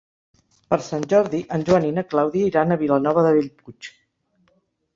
Per Sant Jordi en Joan i na Clàudia iran a Vilanova de Bellpuig.